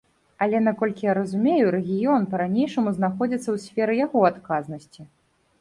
Але, наколькі я разумею, рэгіён, па-ранейшаму знаходзіцца ў сферы яго адказнасці.